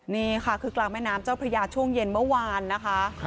นี่ค่ะคือกลางแม่น้ำเจ้าพระยาช่วงเย็นเมื่อวานนะคะ